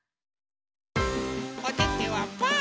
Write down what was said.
おててはパー。